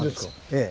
ええ。